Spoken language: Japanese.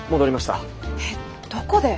えっどこで？